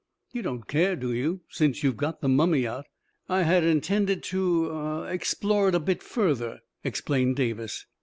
"You don't care, do you, since you've got the mummy out?" " I had intended to — ah — explore it a bit fur ther," explained Davis.